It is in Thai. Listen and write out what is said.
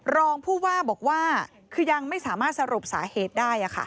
รองผู้ว่าบอกว่าคือยังไม่สามารถสรุปสาเหตุได้